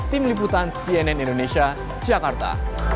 tim liputan cnn indonesia jakarta